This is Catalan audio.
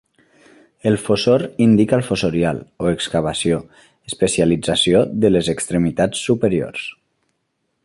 El "fossor" indica el fossorial, o excavació, especialització de les extremitats superiors.